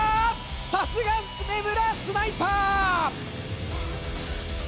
さすが梅村スナイパー！